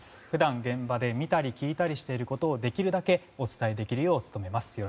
普段、現場で見たり聞いたりしていることをできるだけお伝えできるよう努めます。